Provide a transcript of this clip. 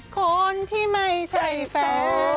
คนที่ไม่ใช่แฟน